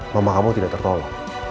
mama kamu tidak tertolong